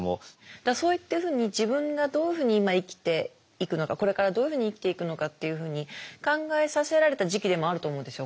だからそういったふうに自分がどういうふうに今生きていくのかこれからどういうふうに生きていくのかっていうふうに考えさせられた時期でもあると思うんですよ。